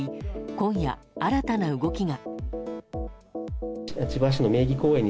今夜、新たな動きが。